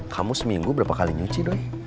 kamu seminggu berapa kali nyuci don